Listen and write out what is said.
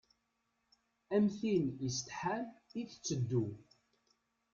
Am tin isetḥan i tetteddu.